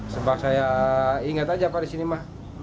sebab saya ingat aja pada sini mas